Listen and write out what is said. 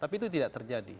tapi itu tidak terjadi